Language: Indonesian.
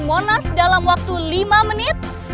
monas dalam waktu lima menit